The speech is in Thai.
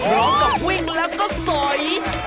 พร้อมกับวิ่งแล้วก็สอย